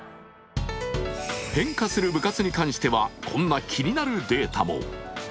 変化する部活に関してはこんな気になるデータも。